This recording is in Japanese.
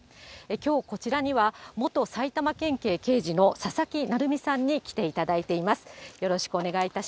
きょう、こちらには元埼玉県警刑事の佐々木成三さんに来ていただいています。